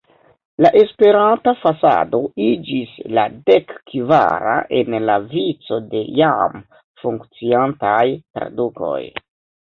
La Esperanta fasado iĝis la dek-kvara en la vico de jam funkciantaj tradukoj.